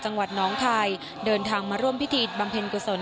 จังหวัดน้องคายเดินทางมาร่วมพิธีบำเพ็ญกุศล